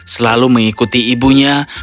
selalu mengikuti ibunya